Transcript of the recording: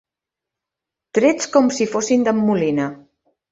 Trets com si fossin d'en Molina.